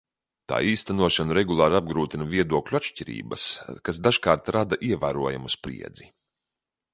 Tā īstenošanu regulāri apgrūtina viedokļu atšķirības, kas dažkārt rada ievērojamu spriedzi.